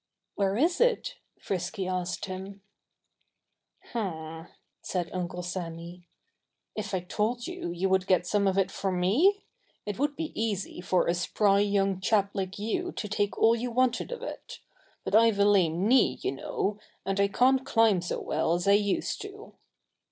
"Where is it?" Frisky asked him. "Hm " said Uncle Sammy. "If I told you would you get some of it for me? It would be easy for a spry young chap like you to take all you wanted of it. But I've a lame knee, you know, and I can't climb so well as I used to."